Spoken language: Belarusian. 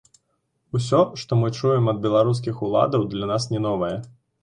Усё, што мы чуем ад беларускіх уладаў, для нас не новае.